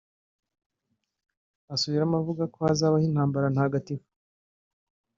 asubiramo avuga ko hazabaho intambara ntagatifu